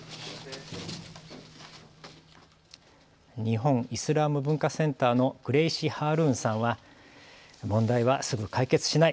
日本イスラーム文化センターのクレイシ・ハールーンさんは問題はすぐ解決しない。